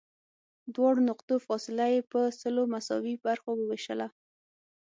دواړو نقطو فاصله یې په سلو مساوي برخو ووېشله.